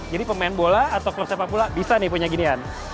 jadi pemain bola atau klub sepak pula bisa nih punya ginian